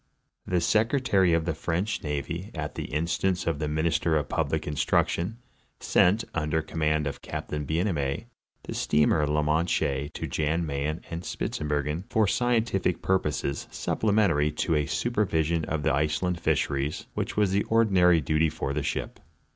The secretary of the French navy, at the instance of the min ister of public instruction, sent, under command of Captain Bienaimé, the steamer la Manche to Jan Mayen and Spitzber gen for scientific purposes, supplementary to a supervision of the Iceland fisheries, which was the ordinary duty for the ship.